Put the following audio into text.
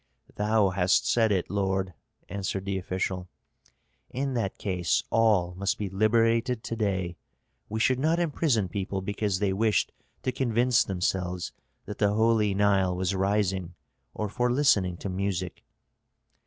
"Thou hast said it, lord," answered the official. "In that case all must be liberated to day. We should not imprison people because they wished to convince themselves that the holy Nile was rising or for listening to music."